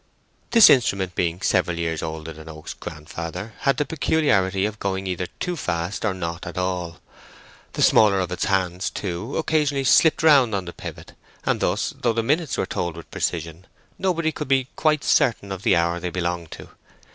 This instrument being several years older than Oak's grandfather, had the peculiarity of going either too fast or not at all. The smaller of its hands, too, occasionally slipped round on the pivot, and thus, though the minutes were told with precision, nobody could be quite certain of the hour they belonged to.